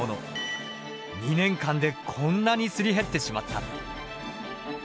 ２年間でこんなにすり減ってしまった。